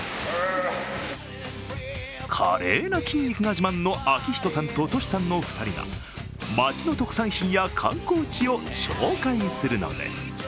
華麗な筋肉が自慢のＡＫＩＨＩＴＯさんとＴＯＳＨＩさんの２人が町の特産品や観光地を紹介するのです。